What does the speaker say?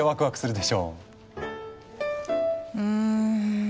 うん。